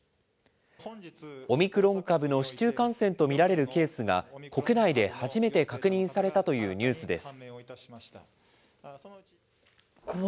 オミクロン株の市中感染と見られるケースが、国内で初めて確認されたというニュースです。